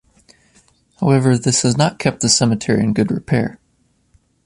However, this has not kept the cemetery in good repair.